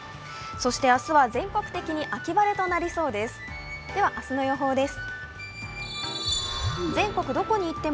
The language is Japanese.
そして明日は全国的に秋晴れとなりそうです。